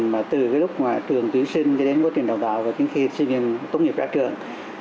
mà từ cái lúc ngoài trường tuyển sinh cho đến quá trình đào tạo và đến khi sinh viên tốt nghiệp ra trường